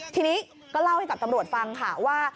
ทีนี้ก็เล่าให้กับตำรวจฟังค่ะว่า